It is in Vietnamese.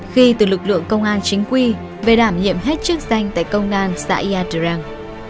ghi từ lực lượng công an chính quy về đảm nhiệm hết chức danh tại công an xã yadrang